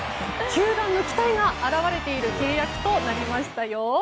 球団の期待が表れている契約となりましたよ。